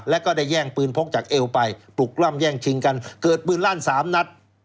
แล้วก็ได้แย่งปืนพกจากเอวไปปลุกล้ำแย่งชิงกันเกิดปืนลั่นสามนัด